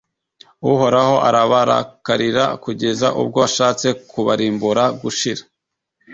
uhoraho arabarakarira kugeza ubwo ashatse kubarimburira gushira.